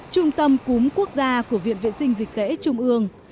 trung tâm cúm quốc gia của viện vệ sinh dịch tễ trung ương